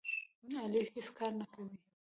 علي هېڅ کار نه کوي.